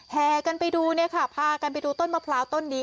แห่กันไปดูเนี่ยค่ะพากันไปดูต้นมะพร้าวต้นนี้